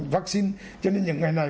vaccine cho nên những ngày này